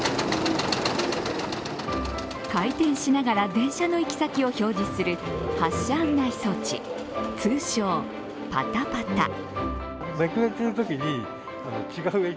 回転しながら電車の行き先を表示する発車案内装置通称、パタパタ。